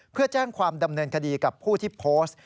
เพื่อแจ้งความดำเนินคดีกับผู้ที่โพสต์